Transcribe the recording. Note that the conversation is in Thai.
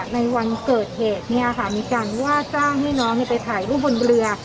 ในวันเกิดเหตุมีการว่าจ้างให้น้องไปถ่ายรูปบนเรือ